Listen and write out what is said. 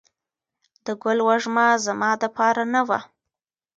د ګل وږمه زما دپار نه وه